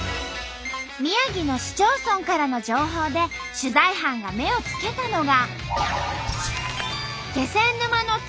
宮城の市町村からの情報で取材班が目をつけたのが。